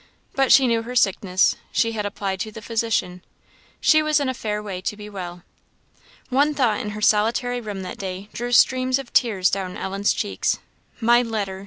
But she knew her sickness; she had applied to the Physician; she was in a fair way to be well. One thought in her solitary room that day drew streams of tears down Ellen's cheeks. "My letter!